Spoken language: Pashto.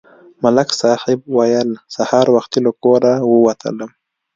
ملک صاحب ویل: سهار وختي له کوره ووتلم.